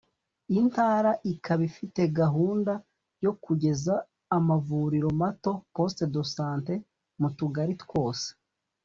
Intara ikaba ifite gahunda yo kugeza amavuriro mato (Poste de Santé) mu tugari twose